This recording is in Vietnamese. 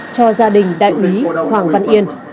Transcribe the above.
cho gia đình đại úy hoàng văn yên